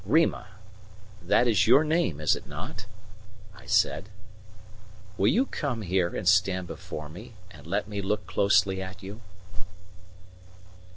"Rima that is your name, is it not?" I said. "Will you come here and stand before me, and let me look closely at you?"